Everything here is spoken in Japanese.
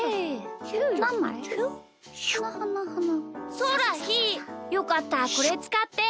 そうだひーよかったらこれつかって。